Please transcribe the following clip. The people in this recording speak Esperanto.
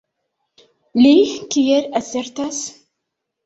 Li kiel asertas?